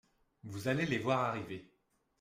Vous allez les voir arriver …